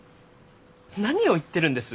何を言ってるんです？